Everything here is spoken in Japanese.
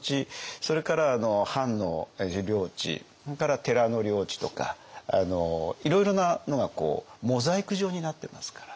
それから藩の自領地それから寺の領地とかいろいろなのがモザイク状になってますから。